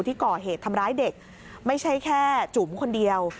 ที่ก่อเหตุทำร้ายเด็กไม่ใช่แค่จุ๋มคนเดียว